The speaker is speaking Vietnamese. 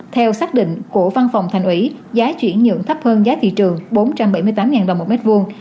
theo xác định của văn phòng thành ủy giá chuyển nhượng thấp hơn giá thị trường bốn trăm bảy mươi tám đồng một mét vuông